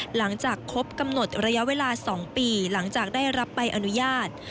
หลังจากครบกำหนดระยะเวลา๒ปีหลังจากได้รับใบอนุญาต